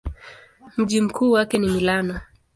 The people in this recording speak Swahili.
Mji mkuu wake ni Milano.